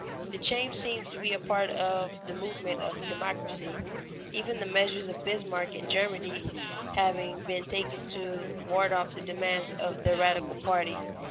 The change seems to be a part of the movement of democracy, even the measures of Bismarck in Germany having been taken to ward off the demands of the radical party.